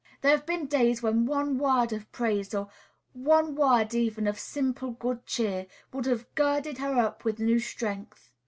There have been days when one word of praise, or one word even of simple good cheer, would have girded her up with new strength.